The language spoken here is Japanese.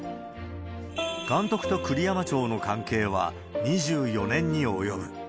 監督と栗山町の関係は２４年に及ぶ。